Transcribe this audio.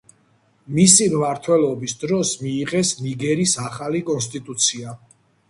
მისი მმართველობის დროს მიიღეს ნიგერის ახალი კონსტიტუცია.